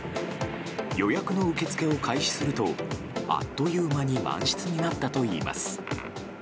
予約の受け付けを開始するとあっという間に満室になったといいます。